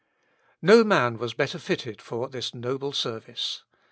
No man was better fitted for this noble service.